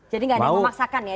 jadi gak ada yang memaksakan ya